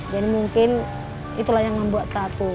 jadi mungkin itulah yang membuat satu